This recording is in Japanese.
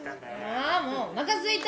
あもうおなかすいた！